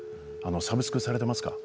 サブスク使われていますか。